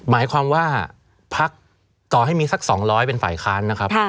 หมายความว่าพักต่อให้มีสัก๒๐๐เป็นฝ่ายค้านนะครับ